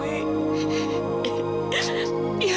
dia masih hidup